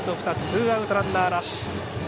ツーアウト、ランナーなし。